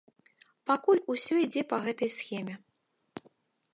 Пакуль усё ідзе па гэтай схеме.